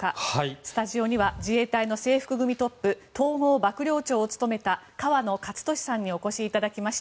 スタジオには自衛隊の制服組トップ統合幕僚長を務めた河野克俊さんにお越しいただきました。